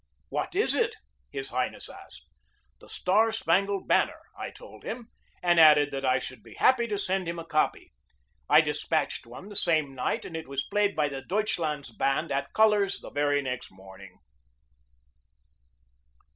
"What is it?" his Highness asked. i8 4 GEORGE DEWEY "The S tar Spangled Banner/' I told him; and added that I should be happy to send him a copy. I despatched one the same night, and it was played by the Deutschland 9 s band at colors the very next morning.